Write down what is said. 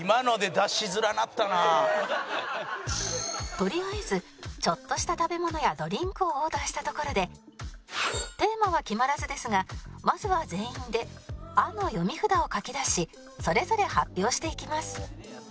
とりあえずちょっとした食べ物やドリンクをオーダーしたところでテーマは決まらずですがまずは全員で「あ」の読み札を書き出しそれぞれ発表していきます